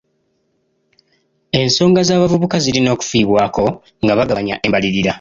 Ensonga z'abavubuka zirina okufiibwako nga bagabanya embalirira.